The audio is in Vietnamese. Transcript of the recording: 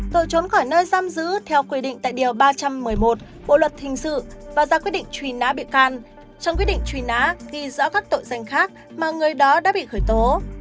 tội trốn khỏi nơi giam giữ theo quy định tại điều ba trăm một mươi một bộ luật hình sự và ra quyết định truy nã bị can trong quyết định truy nã ghi rõ các tội danh khác mà người đó đã bị khởi tố